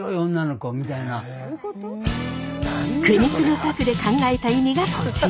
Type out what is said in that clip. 苦肉の策で考えた意味がこちら。